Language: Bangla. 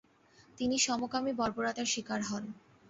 তিনি সমকামী বর্বরতার শিকার হন।